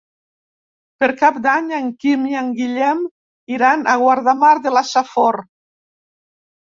Per Cap d'Any en Quim i en Guillem iran a Guardamar de la Safor.